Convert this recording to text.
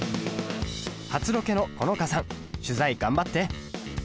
初ロケの好花さん取材頑張って！